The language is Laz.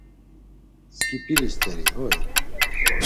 Sǩip̌ili st̆eri hoi?